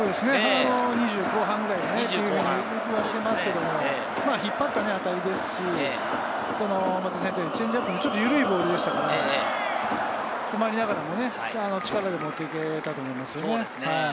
２０後半ぐらいといわれていますけど、引っ張った当たりですし、チェンジアップのちょっとゆるいボールでしたから詰まりながらもね、力で持っていけたと思いますね。